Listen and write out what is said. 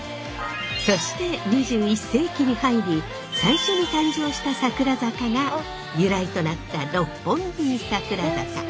そして２１世紀に入り最初に誕生した桜坂が由来となった六本木さくら坂。